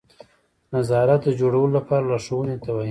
نظارت د جوړولو لپاره لارښوونې ته وایي.